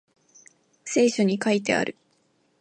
聖書に書いてある